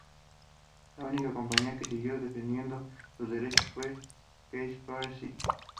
La única compañía que siguió defendiendo sus derechos fue Kaspersky.